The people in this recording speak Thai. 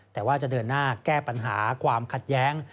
แต่ว่าจะเดินหน้าแก้ปัญหาความขัดแย้ง